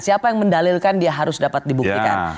siapa yang mendalilkan dia harus dapat dibuktikan